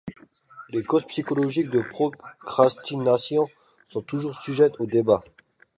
Les causes psychologiques de procrastination sont toujours sujettes aux débats.